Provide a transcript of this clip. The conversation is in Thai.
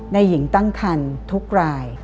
หญิงตั้งคันทุกราย